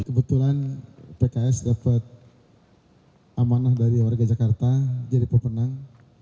kebetulan pks dapat amanah dari warga jakarta jadi pemenang